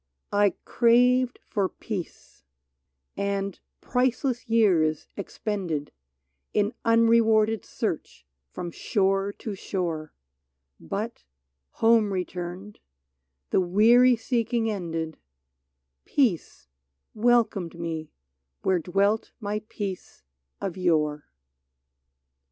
I craved for peace, and priceless years expended In unrewarded search from shore to shore ; But home returned, the weary seeking ended, Peace welcomed me where dwelt my peace of yore!